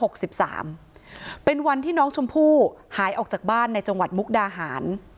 เป็นวันที่น้องชมพู่หายออกจากบ้านในจังหวัดมุกดาหาร